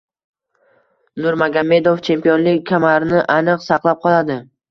Nurmagomedov chempionlik kamarini aniq saqlab qoladi.